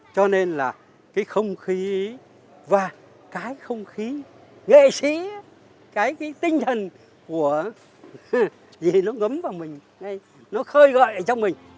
cho nên là cái không khí và cái không khí nghệ sĩ cái tinh thần của gì nó ngấm vào mình nó khơi gọi trong mình